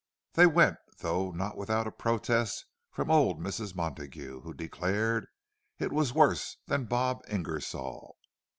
They went—though not without a protest from old Mrs. Montague, who declared it was "worse than Bob Ingersoll."